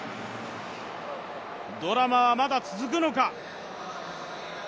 ドラマはまだ続くのか。